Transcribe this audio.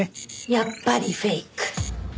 やっぱりフェイク。